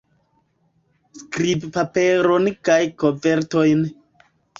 Skribpaperon kaj kovertojn.